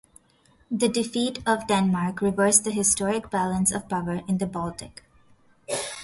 The defeat of Denmark reversed the historic balance of power in the Baltic.